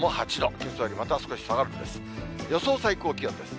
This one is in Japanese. けさより少し下がるんですね。